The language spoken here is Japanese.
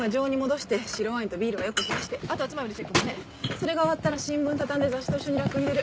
それが終わったら新聞畳んで雑誌と一緒にラックに入れる。